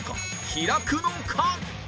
開くのか？